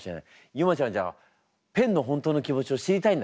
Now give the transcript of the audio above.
ゆまちゃんじゃあペンの本当の気持ちを知りたいんだね。